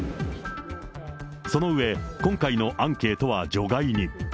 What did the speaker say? その上、今回のアンケートは除外に。